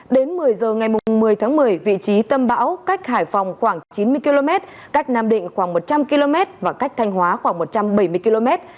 đến một mươi giờ ngày một mươi tháng một mươi vị trí tâm bão cách hải phòng khoảng chín mươi km cách nam định khoảng một trăm linh km và cách thanh hóa khoảng một trăm bảy mươi km